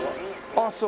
あっそう。